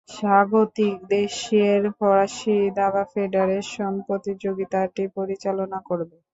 স্বাগতিক দেশের ফরাসী দাবা ফেডারেশন প্রতিযোগিতাটি পরিচালনা করবে।